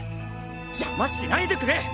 邪魔しないでくれ！